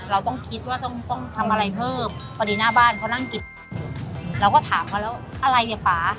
เราต้องคิดว่าต้องต้องทำอะไรเพิ่มพอดีหน้าบ้านเขานั่งกินเราก็ถามเขาแล้วอะไรอ่ะป่า